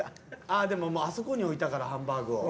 ああでもあそこに置いたからハンバーグを。